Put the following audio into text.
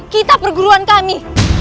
kitab perguruan kami